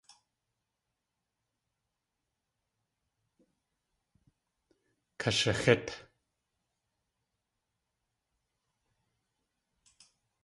Kashaxít!